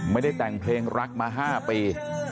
ไม่ได้แต่งเพลงรักมา๕ปี